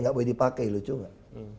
nggak boleh dipakai lucu gak